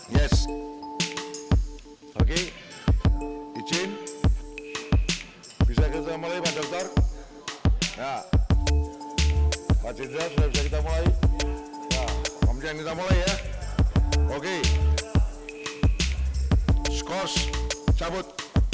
yes oke izin bisa kita mulai pak dokter pak cinta sudah bisa kita mulai nah pak mdjeng kita mulai ya oke skos cabut